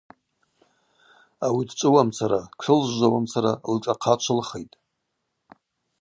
Ауи дчӏвыуамцара, тшылжвжвауамцара лшӏахъа чвылхитӏ.